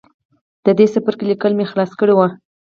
د دې څپرکي ليکل مې خلاص کړي وو